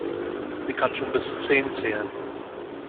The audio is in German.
Sie kann schon bis Zehn zählen.